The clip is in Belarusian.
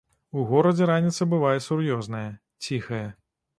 У горадзе раніца бывае сур'ёзная, ціхая.